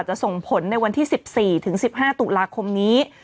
ส่งผลในวันที่๑๔ถึง๑๕ตุลาคมนี้